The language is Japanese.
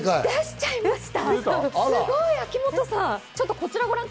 出しちゃいました。